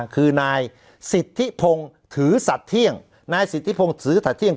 คือนายสิทธิพงศ์ถือสัตว์เที่ยงนายสิทธิพงศ์ถือสัตเที่ยง